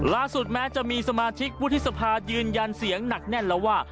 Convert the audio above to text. แม้จะมีสมาชิกวุฒิสภายืนยันเสียงหนักแน่นแล้วว่า